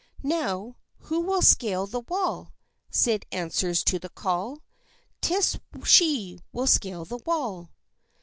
' Now who will scale the wall ? Syd answers to the call. 'Tis she will scale the wall.'